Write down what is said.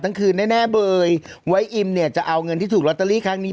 ทั้งคืนแน่เบยไว้อิมเนี่ยจะเอาเงินที่ถูกลอตเตอรี่ครั้งนี้